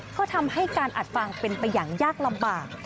ก็ทำให้การอัดฟังเป็นไปอย่างยากลำบาก